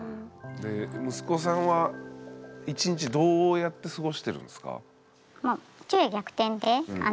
息子さんは１日どうやって過ごしてるんですか？